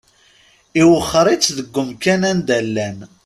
Iwexxer-itt deg umkan anda llan.